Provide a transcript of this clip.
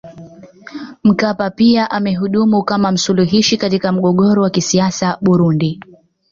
Mkapa pia amehudumu kama msuluhishi katika mgogoro wa kisiasa Burundi